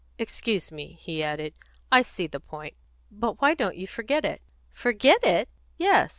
"Excuse me," he added. "I see the point. But why don't you forget it?" "Forget it!" "Yes.